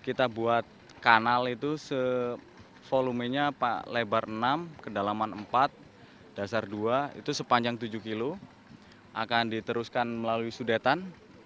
kita buat kanal itu volumenya lebar enam kedalaman empat dasar dua itu sepanjang tujuh kilo akan diteruskan melalui sudetan